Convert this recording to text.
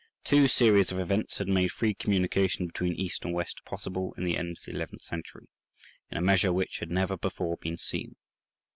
Two series of events had made free communication between East and West possible in the end of the eleventh century, in a measure which had never before been seen.